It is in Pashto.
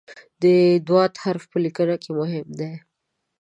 د "ض" حرف په لیکنه کې مهم دی.